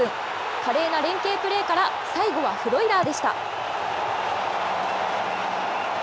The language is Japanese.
華麗な連係プレーから最後はフロイラーでした。